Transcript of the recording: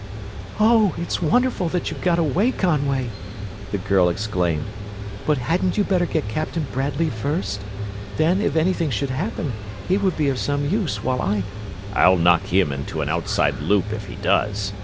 "Oh, it's wonderful that you got away, Conway!" the girl exclaimed. "But hadn't you better get Captain Bradley first? Then, if anything should happen, he would be of some use, while I...." "I'll knock him into an outside loop if he does!"